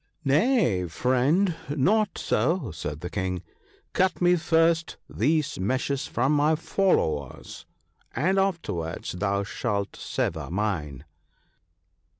' Nay ! friend, not so,' said the King, ' cut me first these meshes from my followers, and afterwards thou shalt sever mine.'